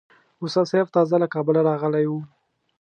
استاد سیاف تازه له کابله راغلی وو.